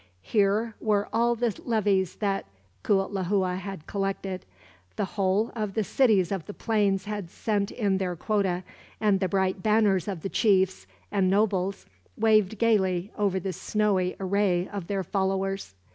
Here were all the levies that Cuitlahua had collected. The whole of the cities of the plains had sent in their quota, and the bright banners of the chiefs and nobles waved gaily over the snowy array of their followers.